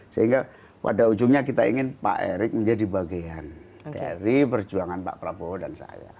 sehingga pada ujungnya kita ingin pak erick menjadi bagian dari perjuangan pak prabowo dan saya